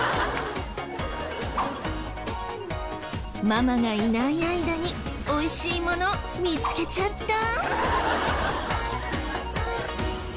ママがいない間においしいもの見つけちゃった！？